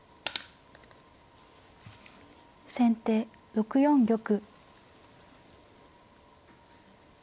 先手６四玉。